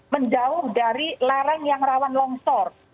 menjauh dari lereng yang rawan longsor